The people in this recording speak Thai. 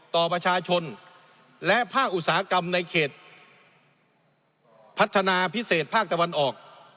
ต่อประชาชนและภาคอุตสาหกรรมในเขตพัฒนาพิเศษภาคตะวันออก